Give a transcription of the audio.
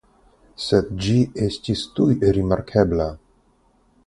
Sed ĝi estis tuj rimarkebla.